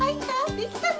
できたね